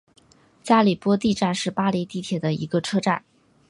加里波第站是巴黎地铁的一个车站。